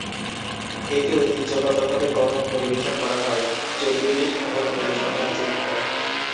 এটি ঐতিহ্যগতভাবে গরম পরিবেশন করা হয়, যদিও এটি ঠান্ডাও পরিবেশন করা যেতে পারে।